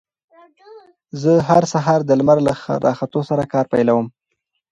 زه هر سهار د لمر له راختو سره کار پيلوم.